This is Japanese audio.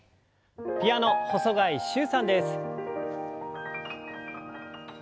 ピアノ細貝柊さんです。